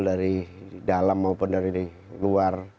dari dalam maupun dari luar